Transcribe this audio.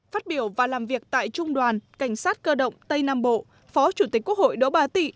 phát biểu và làm việc tại trung đoàn cảnh sát cơ động tây nam bộ phó chủ tịch quốc hội đỗ ba tị